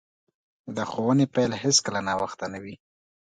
د ښوونې پیل هیڅکله ناوخته نه وي.